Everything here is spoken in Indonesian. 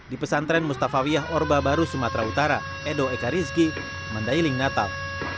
di pesantren mustafa wiyah orba baru sumatera utara edo eka rizki mandailing natal